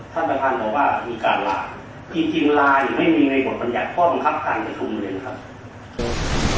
ท่านประทานบอกว่ามีการลาจริงลาไม่มีในบทบัญญาณคว่าบังคับกันกับชุมเงินครับ